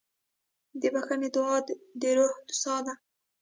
د بښنې دعا د روح ساه ده.